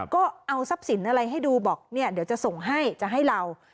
ก็เอาทรัพย์สินอะไรให้ดูบอกเนี่ยเดี๋ยวจะส่งให้จะให้เรา